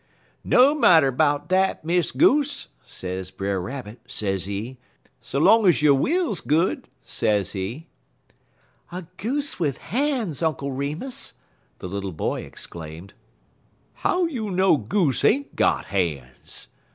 "'No marter 'bout dat, Miss Goose,' sez Brer Rabbit, sezee, 'so long ez yo' will's good,' sezee." "A goose with hands, Uncle Remus!" the little boy exclaimed. "How you know goose ain't got han's?"